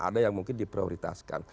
ada yang mungkin diprioritaskan